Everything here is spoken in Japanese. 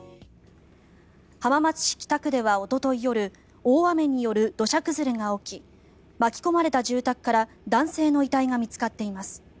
浜松市北区ではおととい夜大雨による土砂崩れが起き巻き込まれた住宅から男性の遺体が見つかっています。